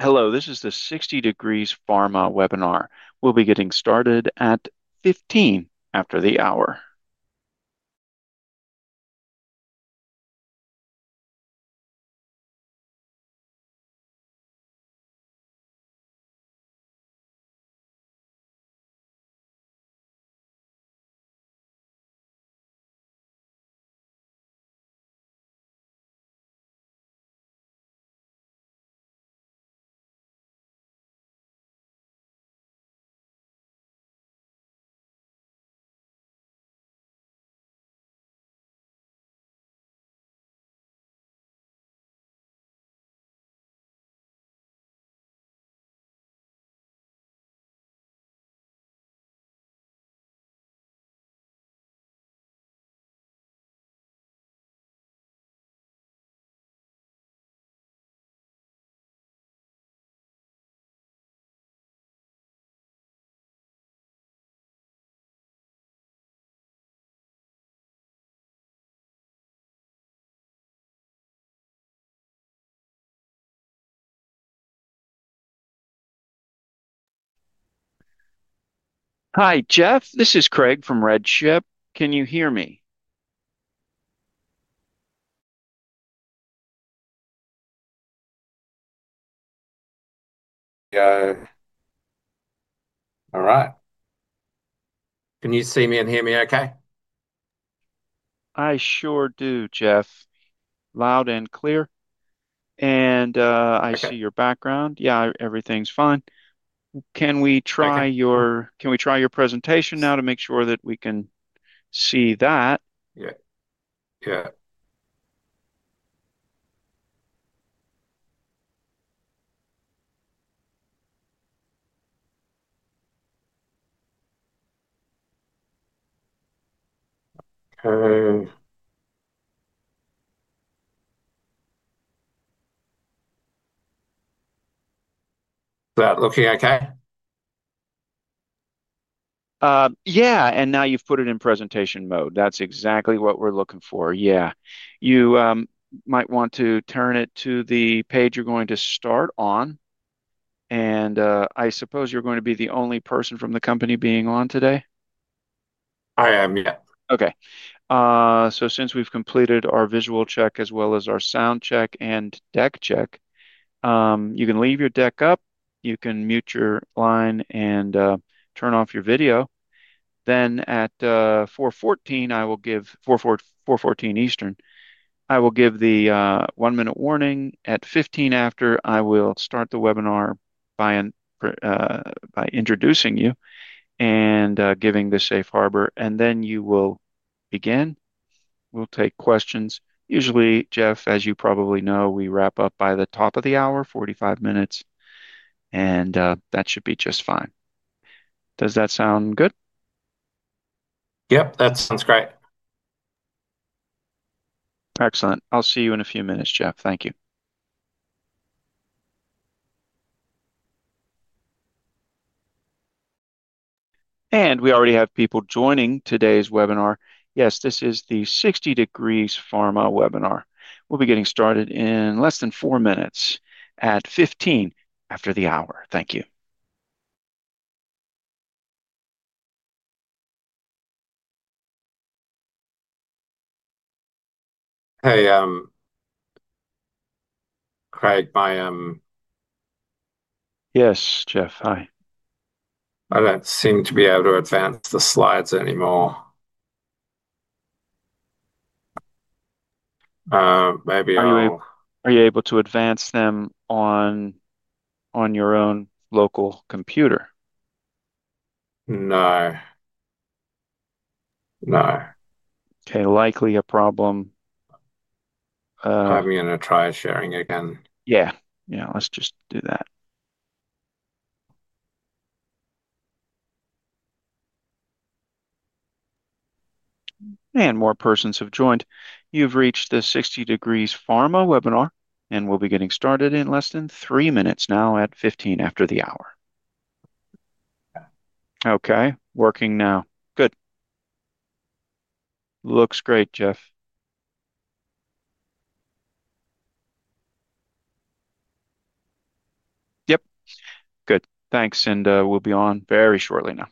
Hello, this is the 60 Degrees Pharma webinar. We'll be getting started at 3:15 P.M. Hi, Geoff. This is Craig from RedChip. Can you hear me? Yeah, all right. Can you see me and hear me okay? I sure do, Geoff. Loud and clear. I see your background. Yeah, everything's fine. Can we try your presentation now to make sure that we can see that? Yeah. Okay. Is that looking okay? Yeah. Now you've put it in presentation mode. That's exactly what we're looking for. You might want to turn it to the page you're going to start on. I suppose you're going to be the only person from the company being on today? I am, yeah. Okay. Since we've completed our visual check as well as our sound check and deck check, you can leave your deck up. You can mute your line and turn off your video. At 4:14 P.M. Eastern, I will give the one-minute warning. At 4:15 P.M., I will start the webinar by introducing you and giving the safe harbor. You will begin. We'll take questions. Usually, Geoff, as you probably know, we wrap up by the top of the hour, 45 minutes. That should be just fine. Does that sound good? Yeah, that sounds great. Excellent. I'll see you in a few minutes, Geoff. Thank you. We already have people joining today's webinar. Yes, this is the 60 Degrees Pharma webinar. We'll be getting started in less than four minutes at 15 after the hour. Thank you. Hey, Craig, my Yes, Geoff. Hi. I don't seem to be able to advance the slides anymore. Maybe I will. Are you able to advance them on your own local computer? No. No. Okay, likely a problem. I'm going to try sharing again. Yeah. Let's just do that. More persons have joined. You've reached the 60 Degrees Pharma webinar, and we'll be getting started in less than three minutes now at 15 after the hour. Okay. Working now. Good. Looks great, Geoff. Yep. Good. Thanks. We'll be on very shortly now.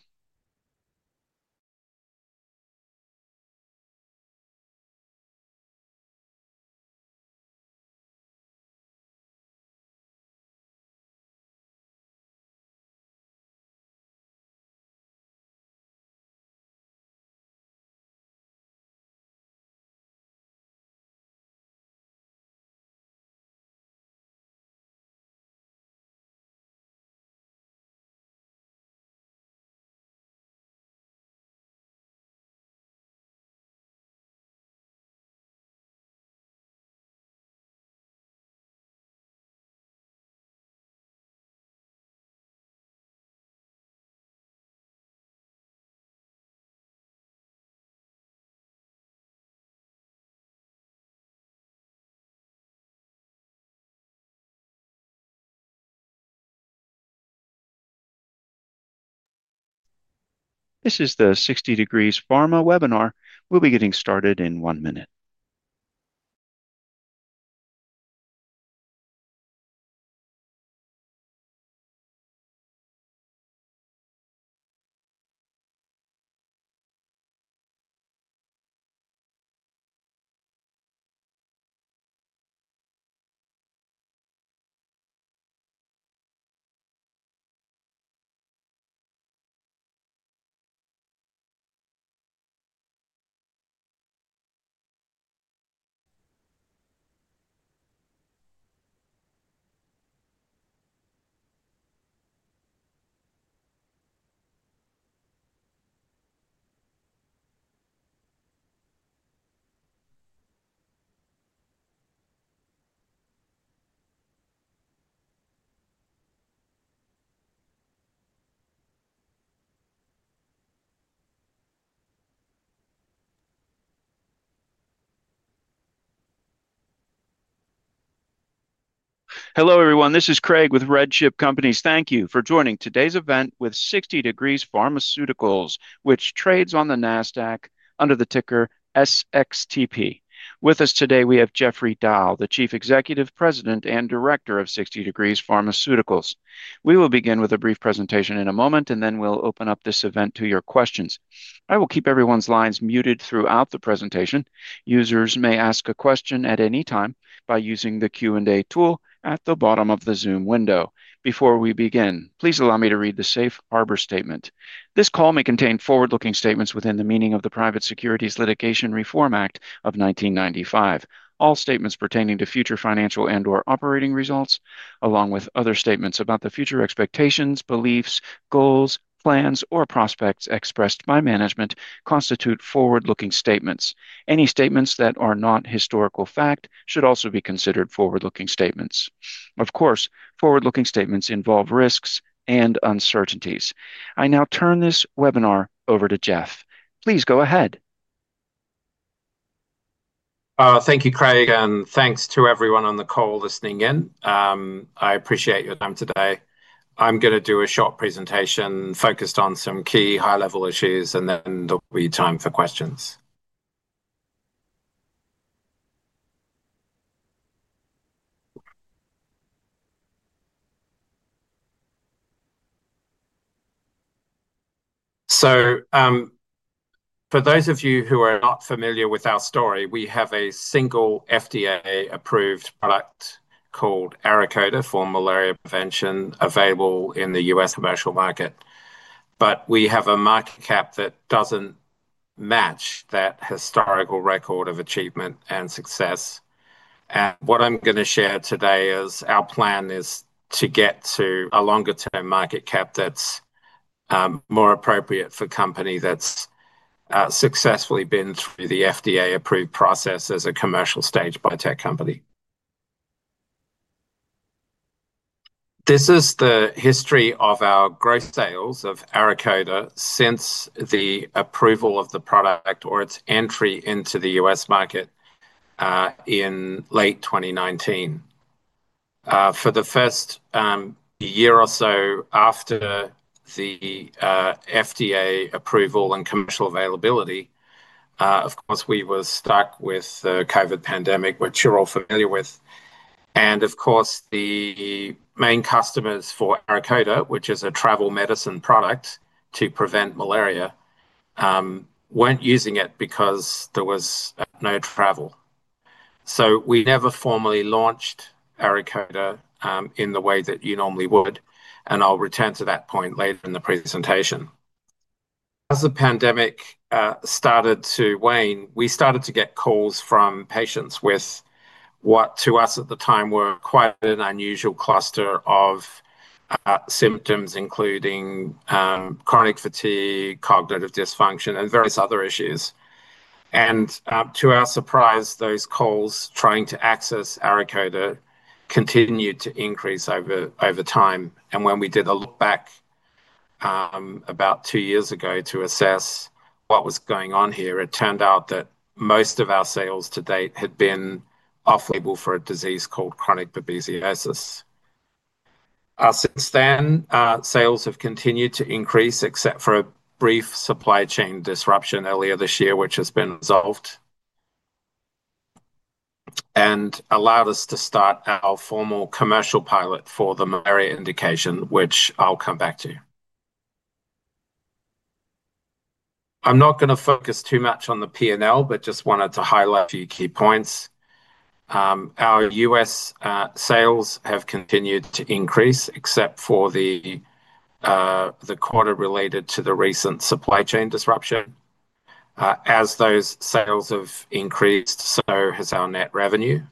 This is the 60 Degrees Pharma webinar. We'll be getting started in one minute. Hello, everyone. This is Craig with RedChip Companies. Thank you for joining today's event with 60 Degrees Pharmaceuticals, which trades on the NASDAQ under the ticker SXTP. With us today, we have Geoffrey Dow, the Chief Executive, President, and Director of 60 Degrees Pharmaceuticals. We will begin with a brief presentation in a moment, and then we'll open up this event to your questions. I will keep everyone's lines muted throughout the presentation. Users may ask a question at any time by using the Q&A tool at the bottom of the Zoom window. Before we begin, please allow me to read the safe harbor statement. This call may contain forward-looking statements within the meaning of the Private Securities Litigation Reform Act of 1995. All statements pertaining to future financial and/or operating results, along with other statements about the future expectations, beliefs, goals, plans, or prospects expressed by management constitute forward-looking statements. Any statements that are not historical fact should also be considered forward-looking statements. Of course, forward-looking statements involve risks and uncertainties. I now turn this webinar over to Geoff. Please go ahead. Thank you, Craig, and thanks to everyone on the call listening in. I appreciate your time today. I'm going to do a short presentation focused on some key high-level issues, and then there'll be time for questions. For those of you who are not familiar with our story, we have a single FDA-approved product called ARAKODA for malaria prevention available in the U.S. commercial market. We have a market cap that doesn't match that historical record of achievement and success. What I'm going to share today is our plan to get to a longer-term market cap that's more appropriate for a company that's successfully been through the FDA-approved process as a commercial stage biotech company. This is the history of our gross sales of ARAKODA since the approval of the product or its entry into the U.S. market in late 2019. For the first year or so after the FDA approval and commercial availability, we were stuck with the COVID pandemic, which you're all familiar with. The main customers for ARAKODA, which is a travel medicine product to prevent malaria, weren't using it because there was no travel. We never formally launched ARAKODA in the way that you normally would. I'll return to that point later in the presentation. As the pandemic started to wane, we started to get calls from patients with what, to us at the time, were quite an unusual cluster of symptoms, including chronic fatigue, cognitive dysfunction, and various other issues. To our surprise, those calls trying to access ARAKODA continued to increase over time. When we did a look back about two years ago to assess what was going on here, it turned out that most of our sales to date had been off-label for a disease called chronic babesiosis. Since then, sales have continued to increase, except for a brief supply chain disruption earlier this year, which has been resolved and allowed us to start our formal commercial pilot for the malaria indication, which I'll come back to. I'm not going to focus too much on the P&L, but just wanted to highlight a few key points. Our U.S. sales have continued to increase, except for the quarter related to the recent supply chain disruption. As those sales have increased, so has our net revenue.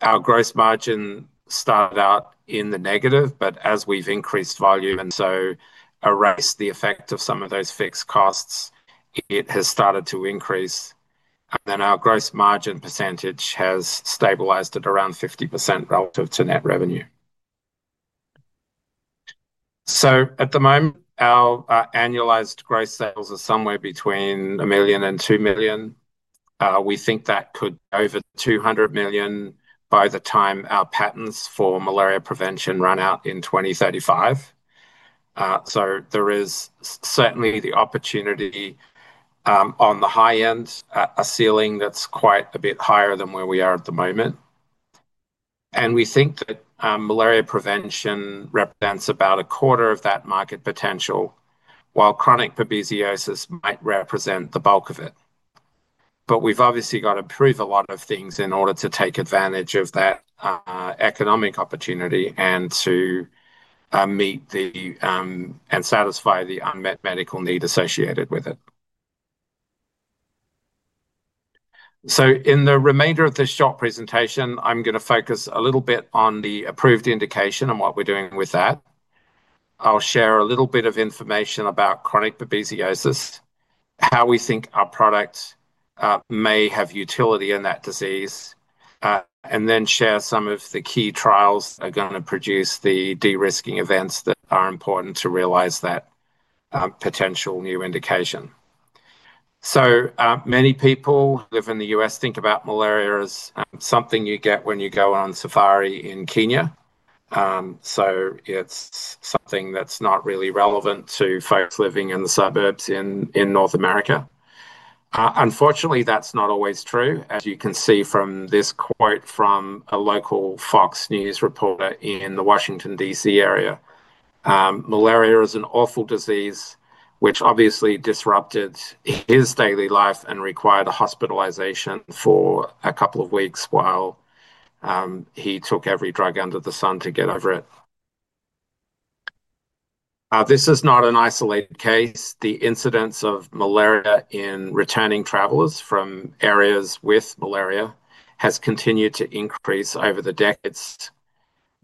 Our gross margin started out in the negative, but as we've increased volume and so erased the effect of some of those fixed costs, it has started to increase. Our gross margin percentage has stabilized at around 50% relative to net revenue. At the moment, our annualized gross sales are somewhere between $1 million and $2 million. We think that could be over $200 million by the time our patents for malaria prevention run out in 2035. There is certainly the opportunity on the high end, a ceiling that's quite a bit higher than where we are at the moment. We think that malaria prevention represents about a quarter of that market potential, while chronic babesiosis might represent the bulk of it. We've obviously got to prove a lot of things in order to take advantage of that economic opportunity and to meet and satisfy the unmet medical need associated with it. In the remainder of this short presentation, I'm going to focus a little bit on the approved indication and what we're doing with that. I'll share a little bit of information about chronic babesiosis, how we think our product may have utility in that disease, and then share some of the key trials that are going to produce the de-risking events that are important to realize that potential new indication. Many people who live in the U.S. think about malaria as something you get when you go on safari in Kenya. It's something that's not really relevant to folks living in the suburbs in North America. Unfortunately, that's not always true. As you can see from this quote from a local Fox News reporter in the Washington, D.C. area, malaria is an awful disease, which obviously disrupted his daily life and required a hospitalization for a couple of weeks while he took every drug under the sun to get over it. This is not an isolated case. The incidence of malaria in returning travelers from areas with malaria has continued to increase over the decades.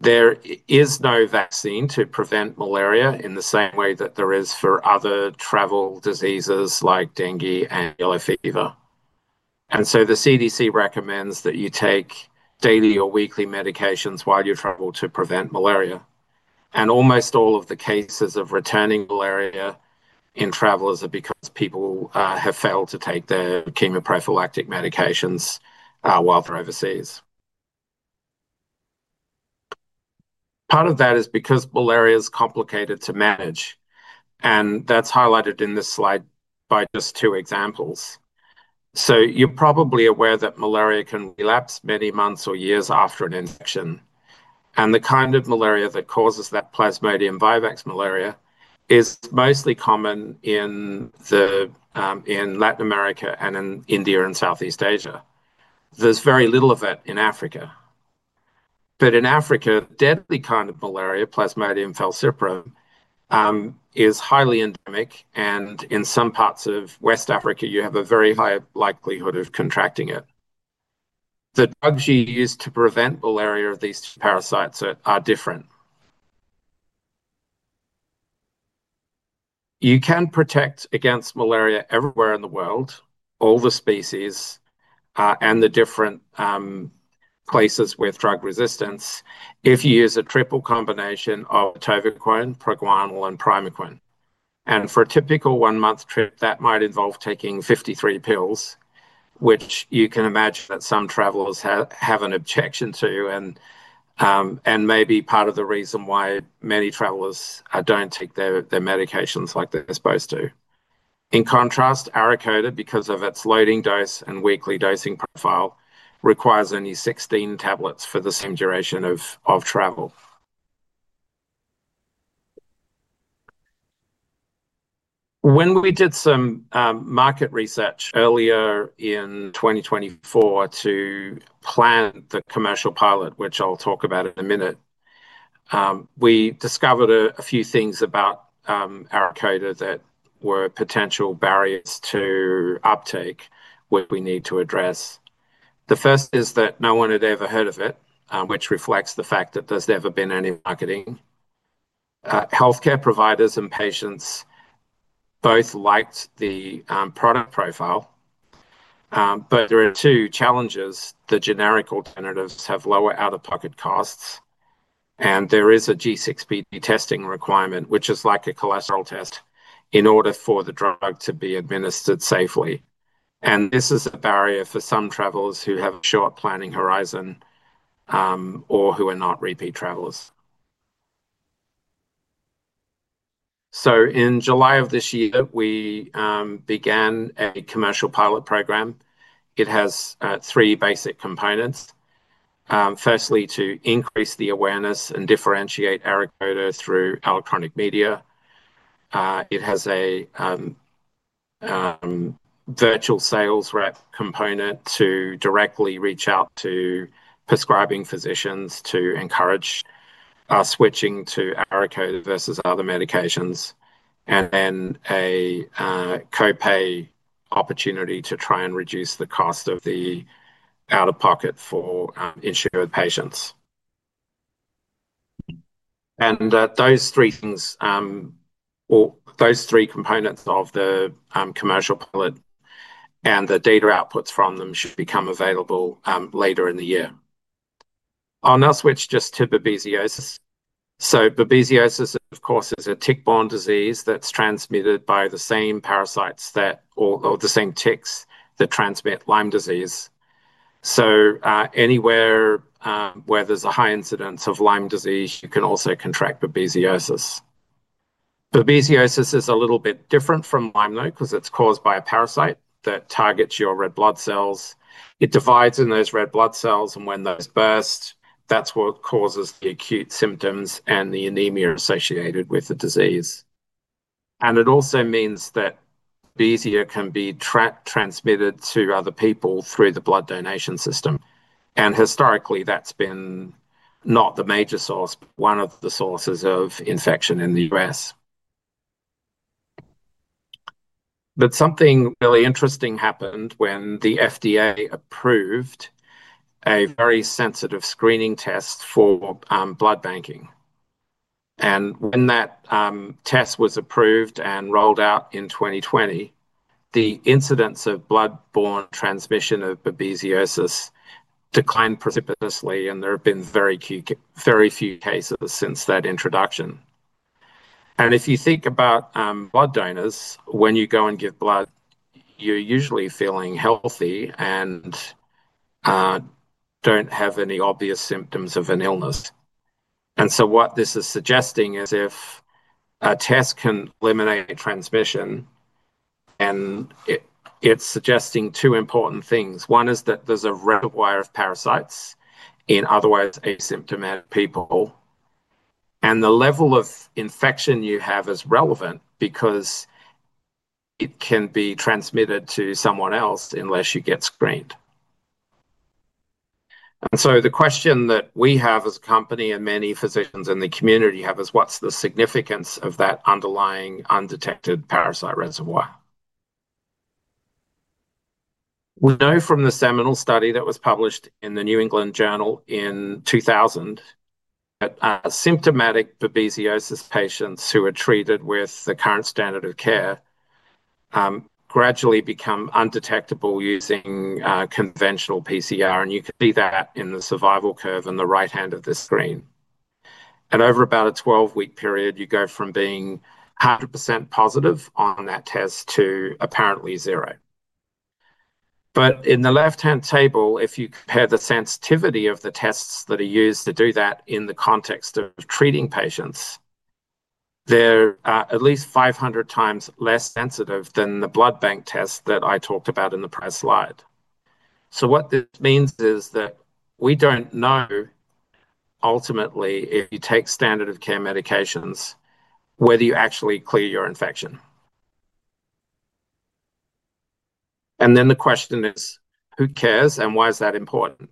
There is no vaccine to prevent malaria in the same way that there is for other travel diseases like dengue and yellow fever. The CDC recommends that you take daily or weekly medications while you travel to prevent malaria. Almost all of the cases of returning malaria in travelers are because people have failed to take their chemoprophylactic medications while they're overseas. Part of that is because malaria is complicated to manage. That's highlighted in this slide by just two examples. You're probably aware that malaria can relapse many months or years after an infection. The kind of malaria that causes that, Plasmodium vivax malaria, is mostly common in Latin America and in India and Southeast Asia. There's very little of it in Africa. In Africa, the deadly kind of malaria, Plasmodium falciparum, is highly endemic. In some parts of West Africa, you have a very high likelihood of contracting it. The drugs you use to prevent malaria of these parasites are different. You can protect against malaria everywhere in the world, all the species, and the different places with drug resistance if you use a triple combination of tafenoquine, Proguanil, and Primaquine. For a typical one-month trip, that might involve taking 53 pills, which you can imagine that some travelers have an objection to and may be part of the reason why many travelers don't take their medications like they're supposed to. In contrast, ARAKODA, because of its loading dose and weekly dosing profile, requires only 16 tablets for the same duration of travel. When we did some market research earlier in 2024 to plan the commercial pilot, which I'll talk about in a minute, we discovered a few things about ARAKODA that were potential barriers to uptake, which we need to address. The first is that no one had ever heard of it, which reflects the fact that there's never been any marketing. Healthcare providers and patients both liked the product profile. There are two challenges. The generic alternatives have lower out-of-pocket costs. There is a G6PD testing requirement, which is like a cholesterol test, in order for the drug to be administered safely. This is a barrier for some travelers who have a short planning horizon or who are not repeat travelers. In July of this year, we began a commercial pilot program. It has three basic components. Firstly, to increase the awareness and differentiate ARAKODA through electronic media. It has a virtual sales representatives component to directly reach out to prescribing physicians to encourage switching to ARAKODA versus other medications. There is a copay opportunity to try and reduce the cost of the out-of-pocket for insured patients. Those three things, or those three components of the commercial pilot and the data outputs from them, should become available later in the year. I'll now switch just to babesiosis. Babesiosis, of course, is a tick-borne disease that's transmitted by the same parasites that, or the same ticks that transmit Lyme disease. Anywhere where there's a high incidence of Lyme disease, you can also contract babesiosis. Babesiosis is a little bit different from Lyme, though, because it's caused by a parasite that targets your red blood cells. It divides in those red blood cells, and when those burst, that's what causes the acute symptoms and the anemia associated with the disease. It also means that babesiosis can be transmitted to other people through the blood donation system. Historically, that's been not the major source, but one of the sources of infection in the U.S. Something really interesting happened when the FDA approved a very sensitive screening test for blood banking. When that test was approved and rolled out in 2020, the incidence of blood-borne transmission of babesiosis declined precipitously, and there have been very few cases since that introduction. If you think about blood donors, when you go and give blood, you're usually feeling healthy and don't have any obvious symptoms of an illness. What this is suggesting is if a test can eliminate transmission, it's suggesting two important things. One is that there's a reservoir of parasites in otherwise asymptomatic people. The level of infection you have is relevant because it can be transmitted to someone else unless you get screened. The question that we have as a company and many physicians in the community have is what's the significance of that underlying undetected parasite reservoir? We know from the seminal study that was published in the New England Journal in 2000 that symptomatic babesiosis patients who are treated with the current standard of care gradually become undetectable using conventional PCR. You can see that in the survival curve in the right hand of this screen. Over about a 12-week period, you go from being 100% positive on that test to apparently zero. In the left-hand table, if you compare the sensitivity of the tests that are used to do that in the context of treating patients, they're at least 500 times less sensitive than the blood bank test that I talked about in the press slide. What this means is that we don't know, ultimately, if you take standard-of-care medications, whether you actually clear your infection. The question is, who cares and why is that important?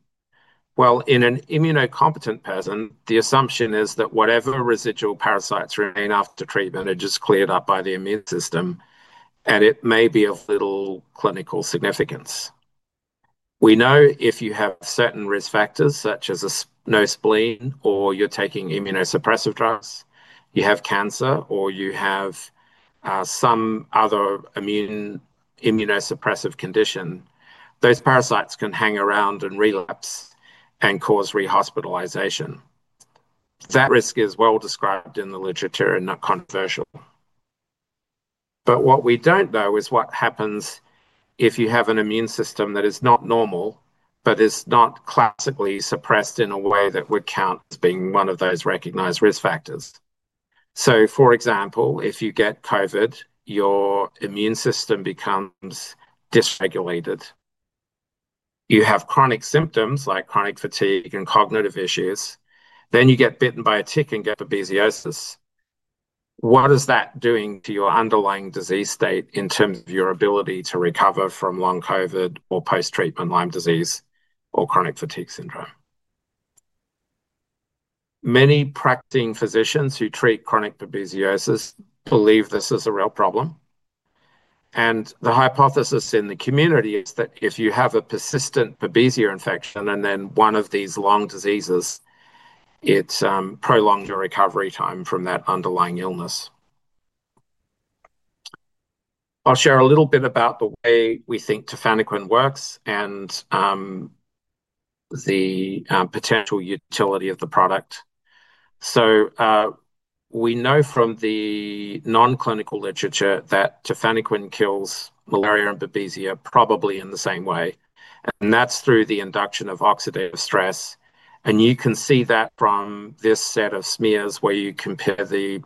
In an immunocompetent person, the assumption is that whatever residual parasites remain after treatment are just cleared up by the immune system, and it may be of little clinical significance. We know if you have certain risk factors, such as no spleen or you're taking immunosuppressive drugs, you have cancer, or you have some other immunosuppressive condition, those parasites can hang around and relapse and cause rehospitalization. That risk is well described in the literature and not controversial. What we don't know is what happens if you have an immune system that is not normal, but is not classically suppressed in a way that would count as being one of those recognized risk factors. For example, if you get COVID, your immune system becomes dysregulated. You have chronic symptoms like chronic fatigue and cognitive issues. You get bitten by a tick and get babesiosis. What is that doing to your underlying disease state in terms of your ability to recover from long COVID or post-treatment Lyme disease or chronic fatigue syndrome? Many practicing physicians who treat chronic babesiosis believe this is a real problem. The hypothesis in the community is that if you have a persistent babesia infection and then one of these long diseases, it prolongs your recovery time from that underlying illness. I'll share a little bit about the way we think tafenoquine works and the potential utility of the product. We know from the non-clinical literature that tafenoquine kills malaria and babesia probably in the same way, and that's through the induction of oxidative stress. You can see that from this set of smears where you compare the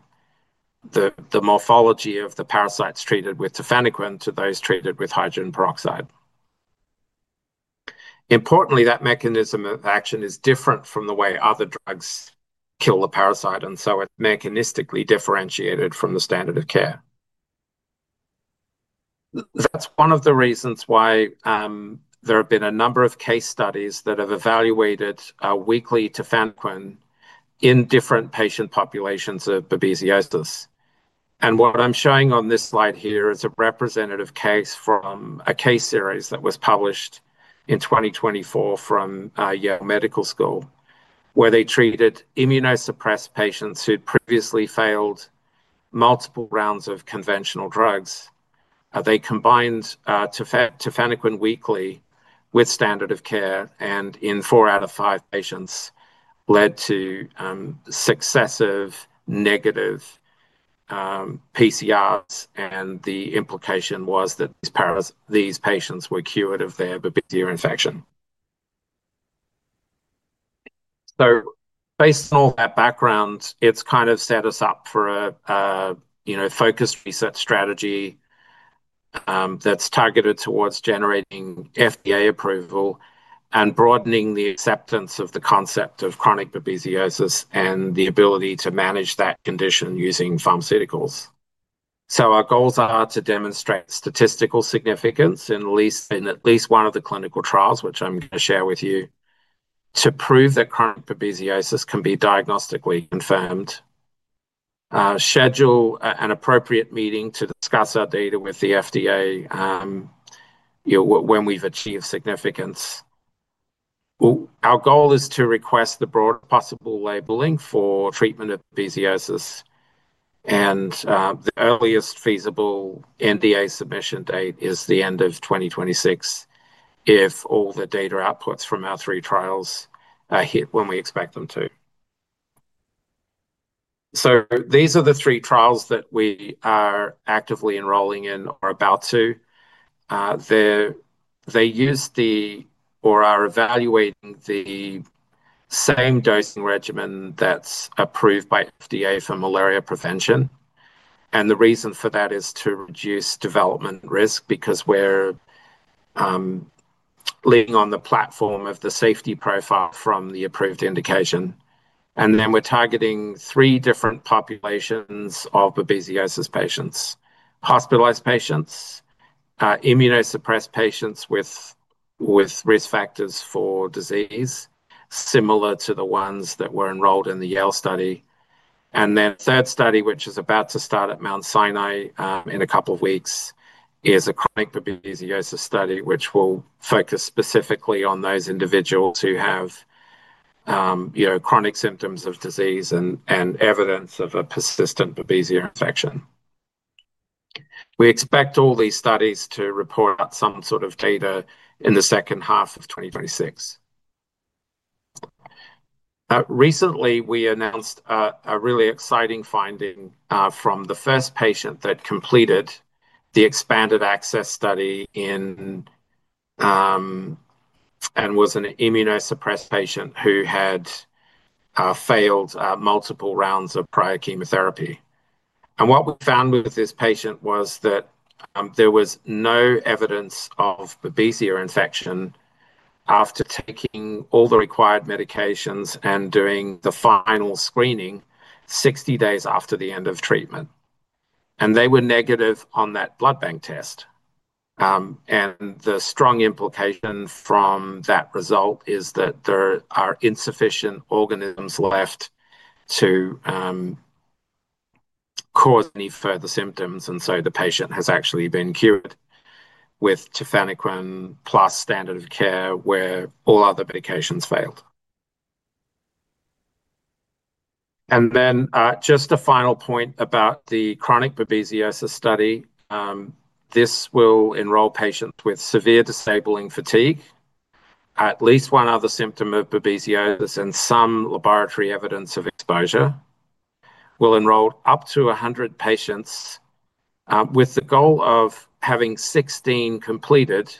morphology of the parasites treated with tafenoquine to those treated with hydrogen peroxide. Importantly, that mechanism of action is different from the way other drugs kill the parasite, and so it's mechanistically differentiated from the standard of care. That's one of the reasons why there have been a number of case studies that have evaluated weekly tafenoquine in different patient populations of babesiosis. What I'm showing on this slide here is a representative case from a case series that was published in 2024 from Yale Medical School, where they treated immunosuppressed patients who had previously failed multiple rounds of conventional drugs. They combined tafenoquine weekly with standard of care, and in four out of five patients, led to successive negative PCRs. The implication was that these patients were cured of their babesia infection. Based on all that background, it's kind of set us up for a focused research strategy that's targeted towards generating FDA approval and broadening the acceptance of the concept of chronic babesiosis and the ability to manage that condition using pharmaceuticals. Our goals are to demonstrate statistical significance in at least one of the clinical trials, which I'm going to share with you, to prove that chronic babesiosis can be diagnostically confirmed, schedule an appropriate meeting to discuss our data with the FDA when we've achieved significance. Our goal is to request the broadest possible labeling for treatment of babesiosis. The earliest feasible NDA submission date is the end of 2026 if all the data outputs from our three trials are hit when we expect them to. These are the three trials that we are actively enrolling in or about to. They use or are evaluating the same dosing regimen that's approved by FDA for malaria prevention. The reason for that is to reduce development risk because we're living on the platform of the safety profile from the approved indication. We're targeting three different populations of babesiosis patients: hospitalized patients, immunosuppressed patients with risk factors for disease, similar to the ones that were enrolled in the Yale study. The third study, which is about to start at Mount Sinai in a couple of weeks, is a chronic babesiosis study, which will focus specifically on those individuals who have chronic symptoms of disease and evidence of a persistent babesia infection. We expect all these studies to report some sort of data in the second half of 2026. Recently, we announced a really exciting finding from the first patient that completed the expanded access study and was an immunosuppressed patient who had failed multiple rounds of prior chemotherapy. What we found with this patient was that there was no evidence of babesia infection after taking all the required medications and doing the final screening 60 days after the end of treatment. They were negative on that blood bank test. The strong implication from that result is that there are insufficient organisms left to cause any further symptoms. The patient has actually been cured with tafenoquine plus standard of care where all other medications failed. Just a final point about the chronic babesiosis study. This will enroll patients with severe disabling fatigue, at least one other symptom of babesiosis, and some laboratory evidence of exposure. We'll enroll up to 100 patients with the goal of having 16 completed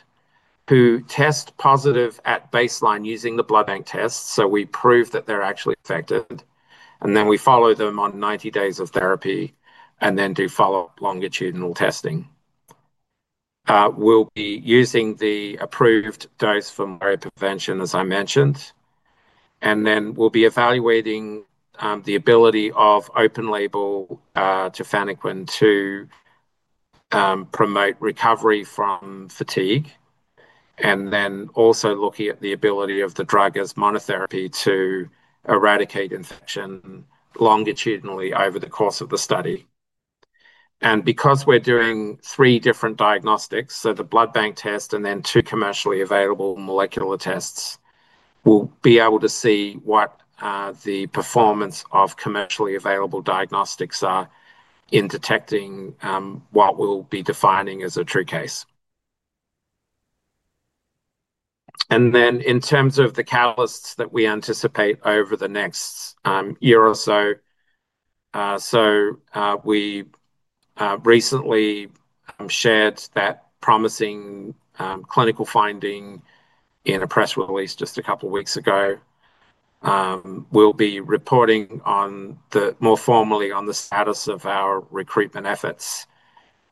who test positive at baseline using the blood bank test so we prove that they're actually affected. We follow them on 90 days of therapy and then do follow-up longitudinal testing. We'll be using the approved dose for malaria prevention, as I mentioned. We'll be evaluating the ability of open-label tafenoquine to promote recovery from fatigue. We're also looking at the ability of the drug as monotherapy to eradicate infection longitudinally over the course of the study. Because we're doing three different diagnostics, the blood bank test and two commercially available molecular tests, we'll be able to see what the performance of commercially available diagnostics are in detecting what we'll be defining as a true case. In terms of the catalysts that we anticipate over the next year or so, we recently shared that promising clinical finding in a press release just a couple of weeks ago. We'll be reporting more formally on the status of our recruitment efforts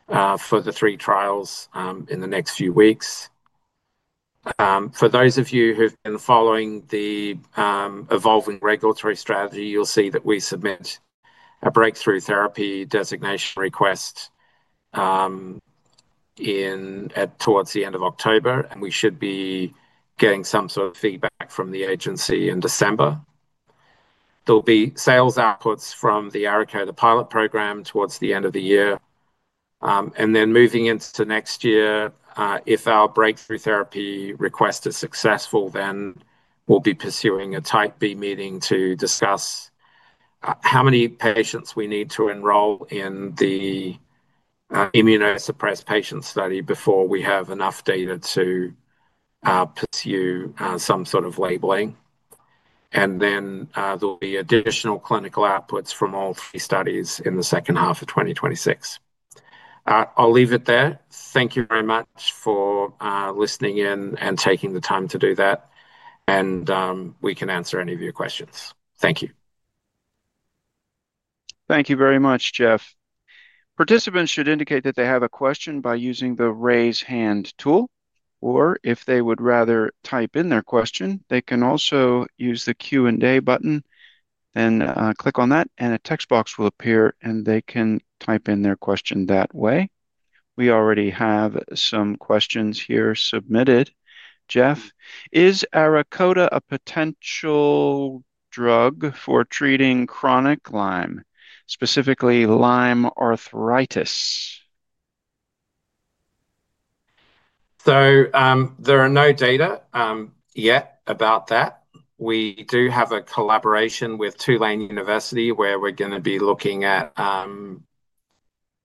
for the three trials in the next few weeks. For those of you who've been following the evolving regulatory strategy, you'll see that we submit a breakthrough therapy designation request towards the end of October. We should be getting some sort of feedback from the agency in December. There'll be sales outputs from the ARAKODA pilot program towards the end of the year. Moving into next year, if our breakthrough therapy request is successful, we'll be pursuing a type B meeting to discuss how many patients we need to enroll in the immunosuppressed patient study before we have enough data to pursue some sort of labeling. There'll be additional clinical outputs from all three studies in the second half of 2026. I'll leave it there. Thank you very much for listening in and taking the time to do that. We can answer any of your questions. Thank you. Thank you very much, Geoff. Participants should indicate that they have a question by using the raise hand tool. If they would rather type in their question, they can also use the Q&A button. Click on that and a text box will appear and they can type in their question that way. We already have some questions here submitted. Geoff, is ARAKODA a potential drug for treating chronic Lyme, specifically Lyme arthritis? There are no data yet about that. We do have a collaboration with Tulane University where we're going to be looking at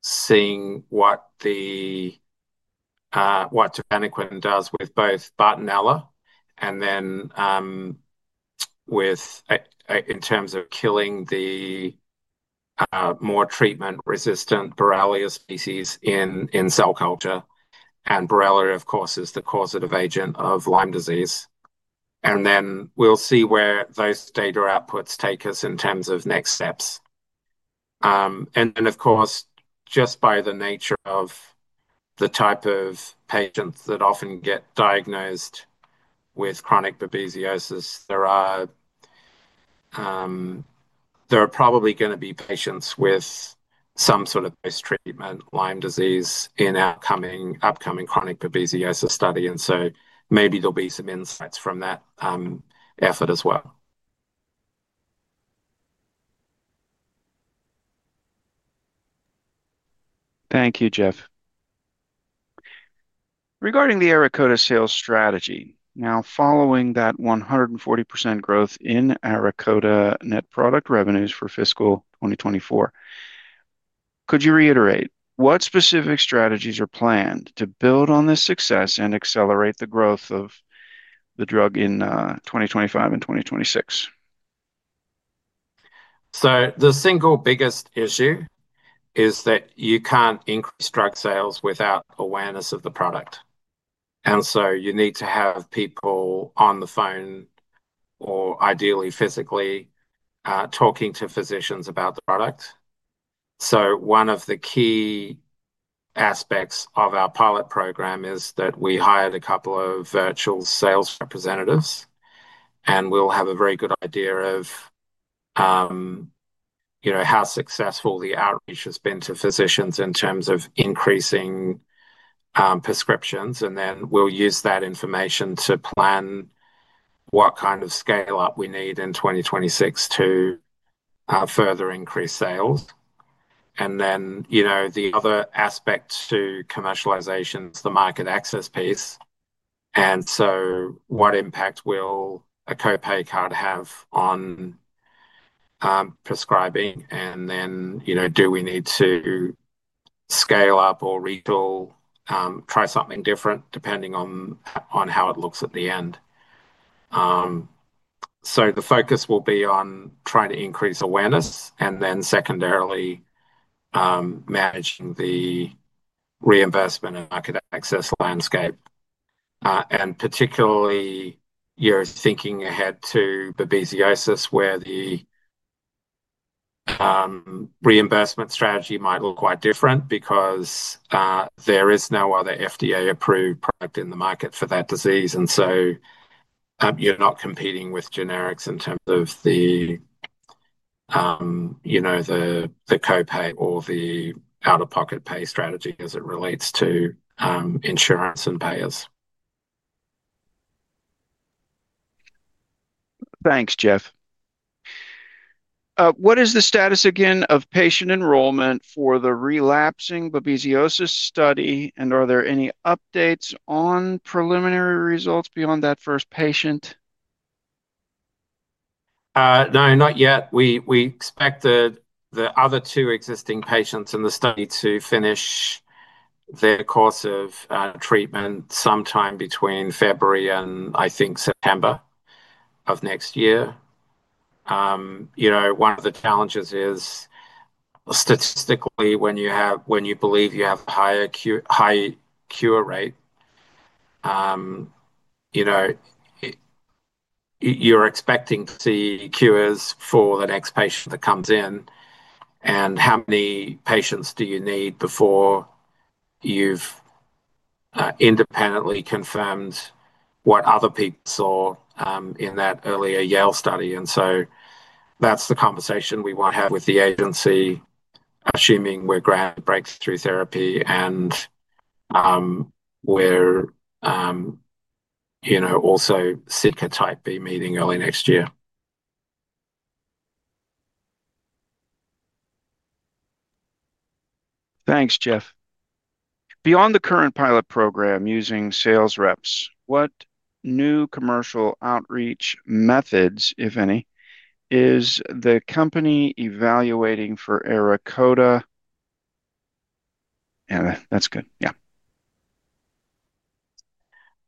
seeing what tafenoquine does with both Bartonella and then in terms of killing the more treatment-resistant Borrelia species in cell culture. Borrelia, of course, is the causative agent of Lyme disease. We'll see where those data outputs take us in terms of next steps. Just by the nature of the type of patients that often get diagnosed with chronic babesiosis, there are probably going to be patients with some sort of post-treatment Lyme disease in our upcoming chronic babesiosis study. Maybe there'll be some insights from that effort as well. Thank you, Geoff. Regarding the ARAKODA sales strategy, now following that 140% growth in ARAKODA net product revenues for fiscal 2024, could you reiterate what specific strategies are planned to build on this success and accelerate the growth of the drug in 2025 and 2026? The single biggest issue is that you can't increase drug sales without awareness of the product. You need to have people on the phone or ideally physically talking to physicians about the product. One of the key aspects of our pilot program is that we hired a couple of virtual sales representatives. We'll have a very good idea of how successful the outreach has been to physicians in terms of increasing prescriptions. We'll use that information to plan what kind of scale-up we need in 2026 to further increase sales. The other aspect to commercialization is the market access piece. What impact will a copay card have on prescribing? Do we need to scale up or retool, try something different depending on how it looks at the end? The focus will be on trying to increase awareness and then secondarily managing the reimbursement and market access landscape. Particularly, you're thinking ahead to babesiosis where the reimbursement strategy might look quite different because there is no other FDA-approved product in the market for that disease. You're not competing with generics in terms of the copay or the out-of-pocket pay strategy as it relates to insurance and payers. Thanks, Geoff. What is the status again of patient enrollment for the relapsing babesiosis study? Are there any updates on preliminary results beyond that first patient? No, not yet. We expected the other two existing patients in the study to finish their course of treatment sometime between February and I think September of next year. One of the challenges is statistically when you believe you have a higher cure rate, you're expecting to see cures for the next patient that comes in. How many patients do you need before you've independently confirmed what other people saw in that earlier Yale study? That's the conversation we want to have with the agency, assuming we're grounded in breakthrough therapy and we're also sitting at a type B meeting early next year. Thanks, Geoff. Beyond the current pilot program using sales reps, what new commercial outreach methods, if any, is the company evaluating for ARAKODA? Yeah, that's good. Yeah.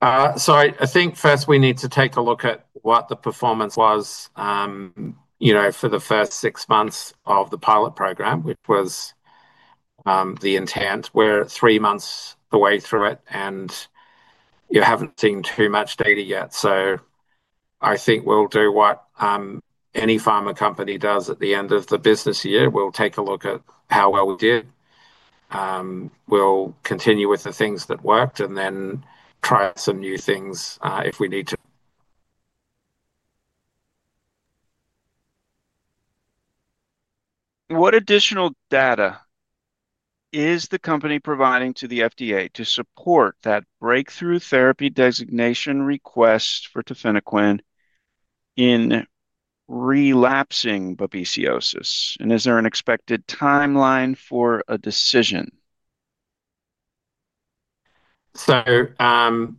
I think first we need to take a look at what the performance was for the first six months of the pilot program, which was the intent. We're three months away through it and you haven't seen too much data yet. I think we'll do what any pharma company does at the end of the business year. We'll take a look at how well we did, continue with the things that worked, and then try some new things if we need to. What additional data is the company providing to the FDA to support that breakthrough therapy designation request for tafenoquine in relapsing babesiosis? Is there an expected timeline for a decision? Statutorily,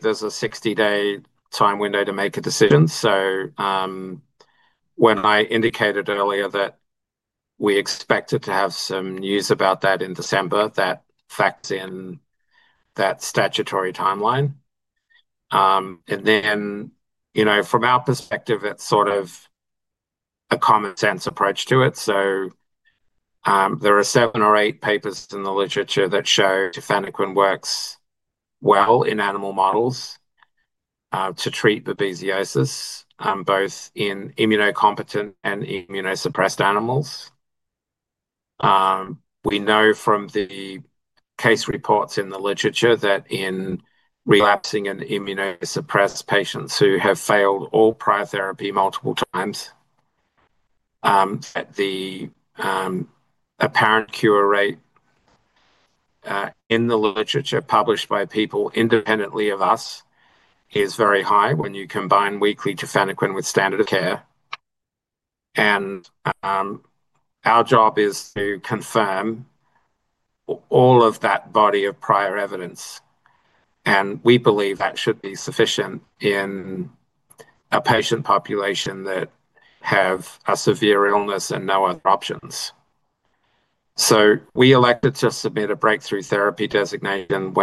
there's a 60-day time window to make a decision. When I indicated earlier that we expected to have some news about that in December, that factors in that statutory timeline. From our perspective, it's sort of a common sense approach to it. There are seven or eight papers in the literature that show tafenoquine works well in animal models to treat babesiosis, both in immunocompetent and immunosuppressed animals. We know from the case reports in the literature that in relapsing and immunosuppressed patients who have failed all prior therapy multiple times, the apparent cure rate in the literature published by people independently of us is very high when you combine weekly tafenoquine with standard of care. Our job is to confirm all of that body of prior evidence. We believe that should be sufficient in a patient population that has a severe illness and no other options. We elected to submit a breakthrough therapy designation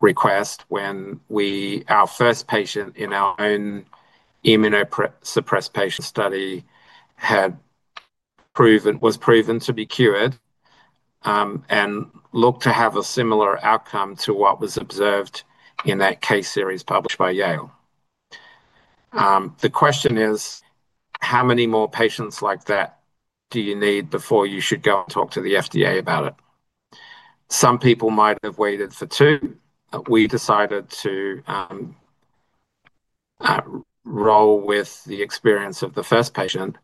request when our first patient in our own immunosuppressed patient study was proven to be cured and looked to have a similar outcome to what was observed in that case series published by Yale. The question is, how many more patients like that do you need before you should go and talk to the FDA about it? Some people might have waited for two. We decided to roll with the experience of the first patient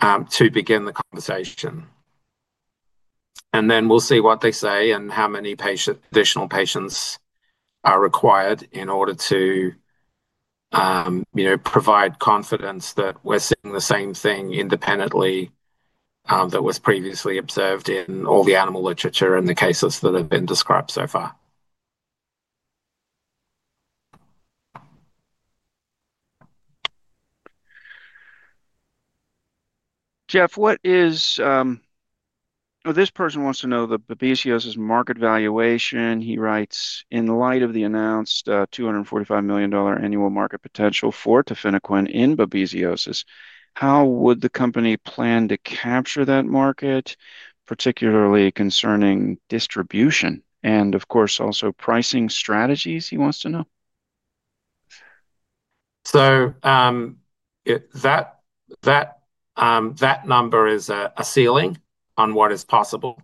to begin the conversation. We'll see what they say and how many additional patients are required in order to provide confidence that we're seeing the same thing independently that was previously observed in all the animal literature and the cases that have been described so far. Geoff, what is, oh, this person wants to know the babesiosis market valuation. He writes, "In light of the announced $245 million annual market potential for tafenoquine in babesiosis, how would the company plan to capture that market, particularly concerning distribution and, of course, also pricing strategies?" He wants to know. That number is a ceiling on what is possible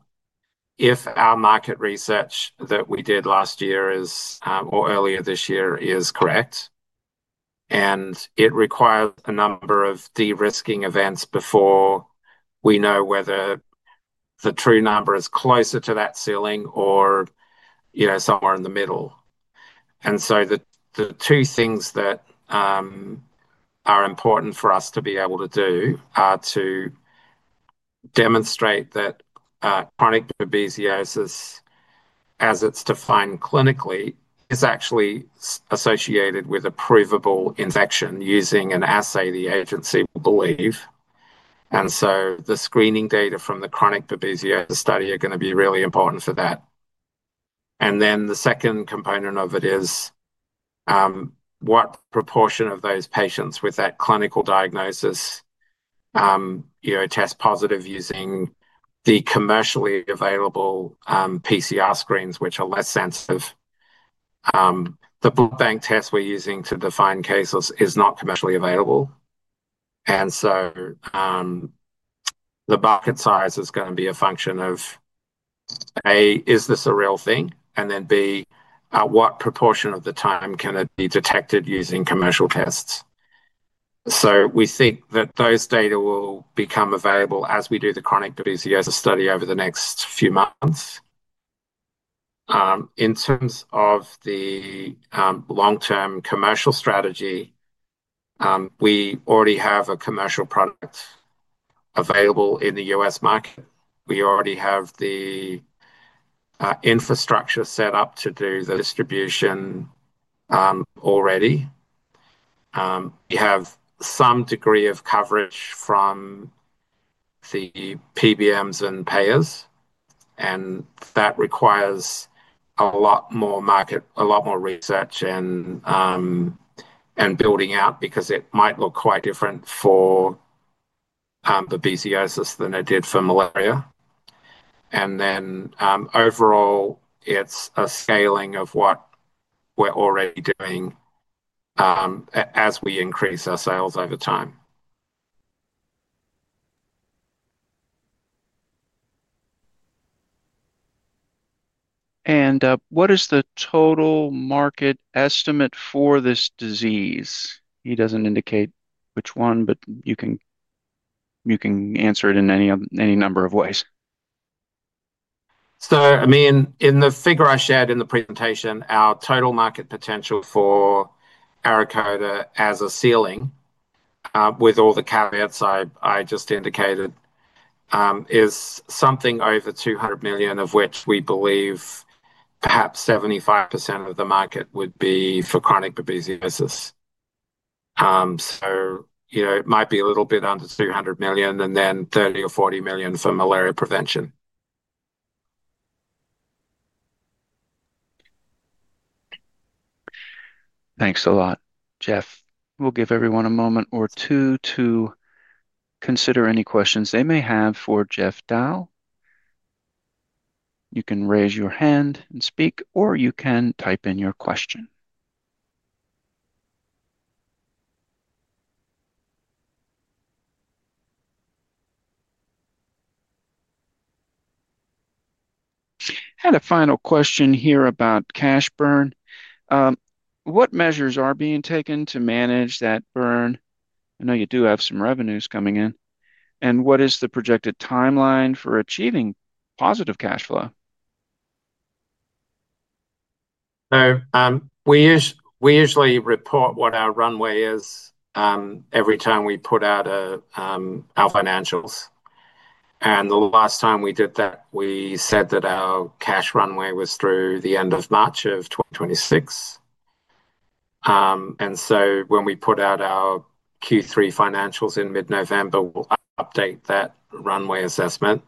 if our market research that we did last year or earlier this year is correct. It requires a number of de-risking events before we know whether the true number is closer to that ceiling or somewhere in the middle. The two things that are important for us to be able to do are to demonstrate that chronic babesiosis, as it's defined clinically, is actually associated with a provable infection using an assay the agency will believe. The screening data from the chronic babesiosis study are going to be really important for that. The second component of it is what proportion of those patients with that clinical diagnosis test positive using the commercially available PCR screens, which are less sensitive. The blood bank test we're using to define cases is not commercially available. The bucket size is going to be a function of A, is this a real thing, and B, what proportion of the time can it be detected using commercial tests. We think that those data will become available as we do the chronic babesiosis study over the next few months. In terms of the long-term commercial strategy, we already have a commercial product available in the U.S. market. We already have the infrastructure set up to do the distribution already. We have some degree of coverage from the PBMs and payers. That requires a lot more market, a lot more research, and building out because it might look quite different for babesiosis than it did for malaria. Overall, it's a scaling of what we're already doing as we increase our sales over time. What is the total market estimate for this disease? He doesn't indicate which one, but you can answer it in any number of ways. In the figure I shared in the presentation, our total market potential for ARAKODA as a ceiling, with all the caveats I just indicated, is something over $200 million, of which we believe perhaps 75% of the market would be for chronic babesiosis. It might be a little bit under $200 million and then $30 million or $40 million for malaria prevention. Thanks a lot, Geoff. We'll give everyone a moment or two to consider any questions they may have for Geoff Dow. You can raise your hand and speak, or you can type in your question. Had a final question here about cash burn. What measures are being taken to manage that burn? I know you do have some revenues coming in. What is the projected timeline for achieving positive cash flow? We usually report what our runway is every time we put out our financials. The last time we did that, we said that our cash runway was through the end of March 2026. When we put out our Q3 financials in mid-November, we'll update that runway assessment.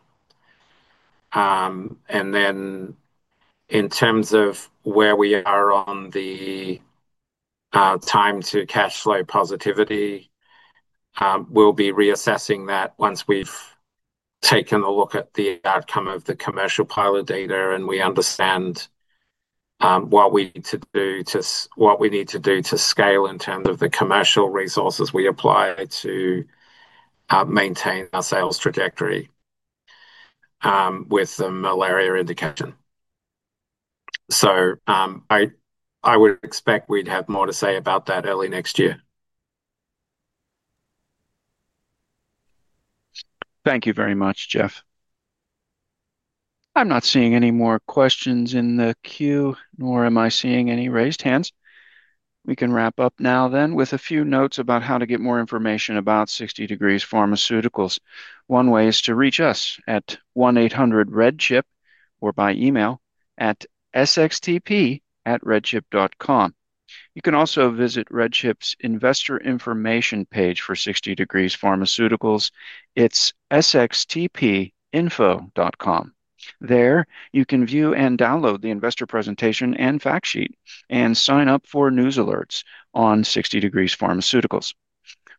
In terms of where we are on the time to cash flow positivity, we'll be reassessing that once we've taken a look at the outcome of the commercial pilot data and we understand what we need to do to scale in terms of the commercial resources we apply to maintain our sales trajectory with the malaria indication. I would expect we'd have more to say about that early next year. Thank you very much, Geoff. I'm not seeing any more questions in the queue, nor am I seeing any raised hands. We can wrap up now with a few notes about how to get more information about 60 Degrees Pharmaceuticals. One way is to reach us at 1-800-REDCHIP or by email at sxtp@redchip.com. You can also visit RedChip's investor information page for 60 Degrees Pharmaceuticals. It's sxtpinfo.com. There, you can view and download the investor presentation and fact sheet and sign up for news alerts on 60 Degrees Pharmaceuticals.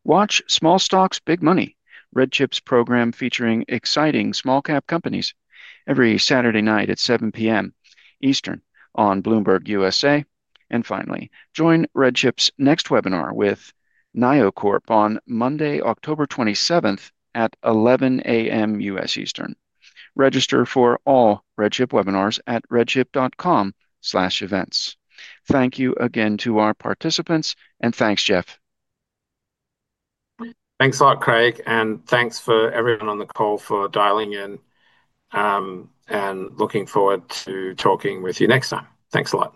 Watch Small Stocks, Big Money, RedChip's program featuring exciting small-cap companies every Saturday night at 7:00 P.M. Eastern on Bloomberg, USA. Finally, join RedChip's next webinar with NioCorp on Monday, October 27 at 11:00 A.M. U.S. Eastern. Register for all RedChip webinars at redchip.com/events. Thank you again to our participants and thanks, Geoff. Thanks a lot, Craig. Thanks for everyone on the call for dialing in. Looking forward to talking with you next time. Thanks a lot.